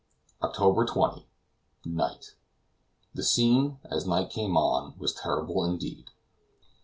OCTOBER 20. Night. The scene, as night came on, was terrible indeed.